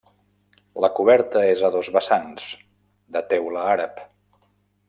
La coberta és a dos vessants, de teula àrab.